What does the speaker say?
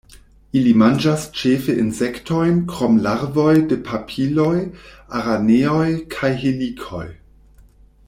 Ili manĝas ĉefe insektojn krom larvoj de papilioj, araneoj kaj helikoj.